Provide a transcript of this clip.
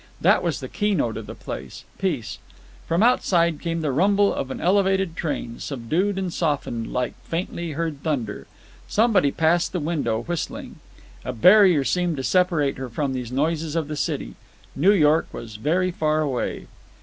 That was the keynote of the place, peace. From outside came the rumble of an elevated train, subdued and softened, like faintly heard thunder. Somebody passed the window, whistling. A barrier seemed to separate her from these noises of the city. New York was very far away.